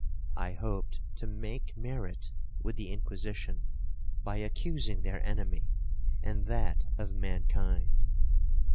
I hoped to make merit with the Inquisition, by accusing their enemy, and that of mankind.